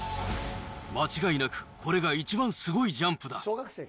間違いなく、これが一番すごいジャンプだ。